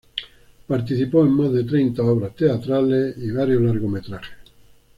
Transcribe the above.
Participó en más de treinta obras teatrales y varios largometrajes.